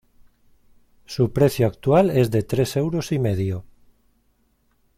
Su precio actual es de tres euros y medio.